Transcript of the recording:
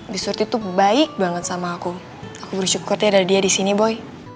bi surti tuh baik banget sama aku aku bersyukur ya ada dia disini boy